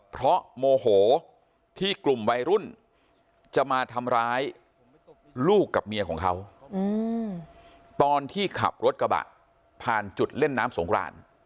เพราะโมโหที่กลุ่มวัยรุ่นจะมาทำร้ายลูกกับเมียของเขาตอนที่ขับรถกระบะผ่านจุดเล่นน้ำสงคราน